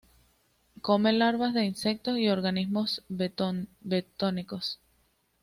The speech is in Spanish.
Come larvas de insectos Y organismos bentónicos.